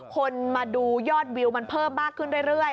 คนมาดูยอดวิวมันเพิ่มมากขึ้นเรื่อย